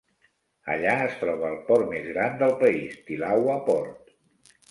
Allà es troba el port més gran del país, Thilawa Port.